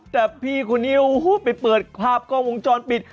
แต่พี่คนนี้โอ้โหไปเปิดภาพกล้องวงจรปิด